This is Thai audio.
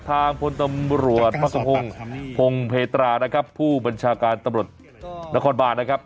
พลตำรวจพระสมพงศ์พงเพตรานะครับผู้บัญชาการตำรวจนครบานนะครับ